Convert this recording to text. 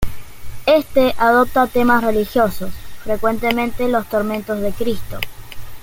Éste adopta temas religiosos, frecuentemente los tormentos de Cristo.